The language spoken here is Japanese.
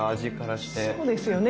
そうですよね。